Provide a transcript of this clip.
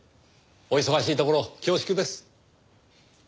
お忙しいところ恐縮です。